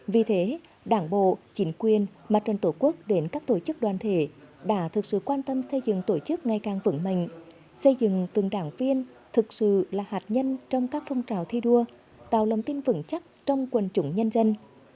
vì thế đảng bộ chính quyền mặt trận tổ quốc đến các tổ chức đoàn thể đã thực sự quan tâm xây dựng tổ chức ngày càng vững mạnh xây dựng từng đảng viên thực sự là hạt nhân trong các phong trào thi đua tạo lòng tin vững chắc trong quần chúng nhân dân